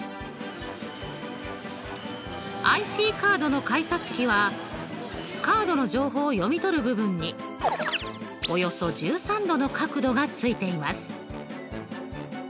ＩＣカードの改札機はカードの情報を読み取る部分におよそ１３°の角度がついています。